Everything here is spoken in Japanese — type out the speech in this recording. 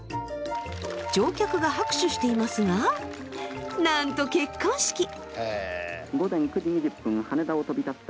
乗客が拍手していますがなんと結婚式。